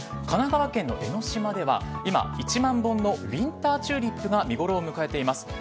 神奈川県の江の島では今、１万本のウインターチューリップが見頃を迎えています。